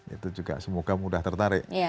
itu juga semoga mudah tertarik